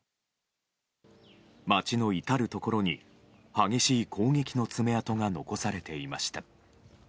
街の至るところに激しい攻撃の爪痕が残されていました。